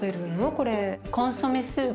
これ。